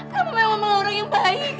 kamu memang orang yang baik